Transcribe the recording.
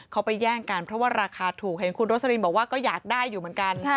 เขาไปแย่งกันเพราะว่าราคาถูกเห็นคุณโรสลินบอกว่าก็อยากได้อยู่เหมือนกัน